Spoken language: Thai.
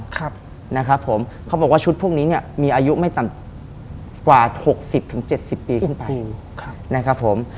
เขาบอกว่าชุดพวกนี้มีอายุไม่ต่ำกว่า๖๐๗๐ปีขึ้นไป